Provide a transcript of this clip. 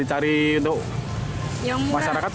dicari untuk masyarakat